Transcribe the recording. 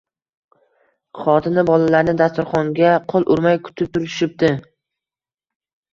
Xotini, bolalari dasturxonga qo‘l urmay, kutib turishibdi.